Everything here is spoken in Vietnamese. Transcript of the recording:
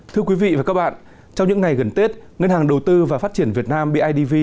thưa quý vị và các bạn trong những ngày gần tết ngân hàng đầu tư và phát triển việt nam bidv